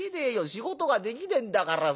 仕事ができねえんだからさ。